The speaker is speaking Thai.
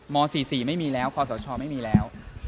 ม๔๔ไม่มีแล้วคอสชไม่มีแล้ว